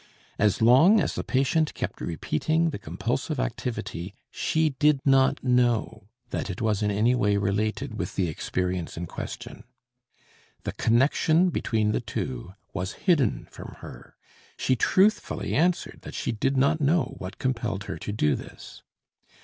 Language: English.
As long as the patient kept repeating the compulsive activity she did not know that it was in any way related with the experience in question. The connection between the two was hidden from her, she truthfully answered that she did not know what compelled her to do this.